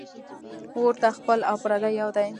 اور ته خپل او پردي یو دي